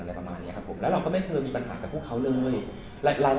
และเราก็ไม่เคยมีปัญหากับพวกเขาเลย